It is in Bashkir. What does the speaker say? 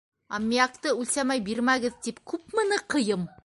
Аммиакты үлсәмәй бирмәгеҙ тип күпме ныҡыйым!